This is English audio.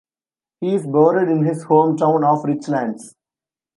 He is buried in his hometown of Richlands.